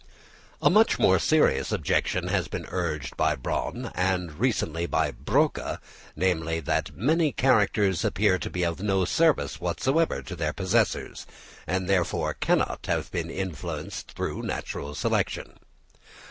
A much more serious objection has been urged by Bronn, and recently by Broca, namely, that many characters appear to be of no service whatever to their possessors, and therefore cannot have been influenced through natural selection.